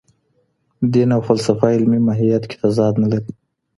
دین او فلسفه علمي ماهیت کې تضاد نه لري.